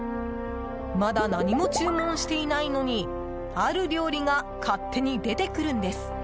まだ何も注文していないのにある料理が勝手に出てくるんです。